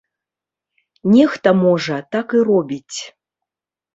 Нехта, можа, так і робіць.